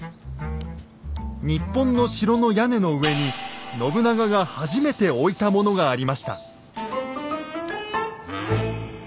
日本の城の屋根の上に信長が初めて置いたものがありました。